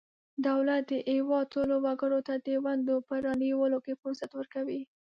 دولت د هیواد ټولو وګړو ته د ونډو په رانیولو کې فرصت ورکوي.